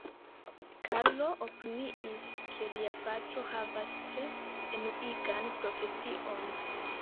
Karlo opiniis, ke lia patro havas tre enuigan profesion.